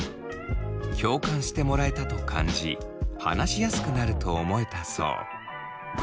共感してもらえたと感じ話しやすくなると思えたそう。